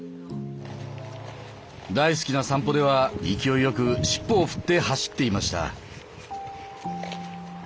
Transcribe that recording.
大好きな散歩では勢いよく尻尾を振って走っていました。